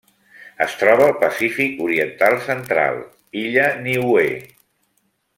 Es troba al Pacífic oriental central: illa Niue.